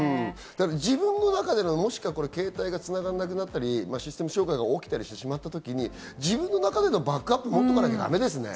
自分の中で携帯が繋がらなくなったりシステム障害が起きてしまったとき、自分の中でのバックアップを持っておかなきゃだめですね。